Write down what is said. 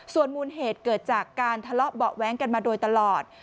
ส่วนมูลเหตุเกิดจากการทะเลาะเบาะแว้งกันมาโดยตลอด